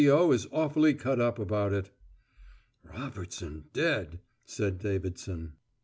O. is awfully cut up about it." "Robertson dead?" said Davidson.